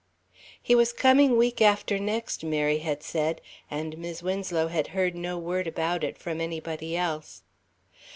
He was coming week after next, Mary had said, and Mis' Winslow had heard no word about it from anybody else.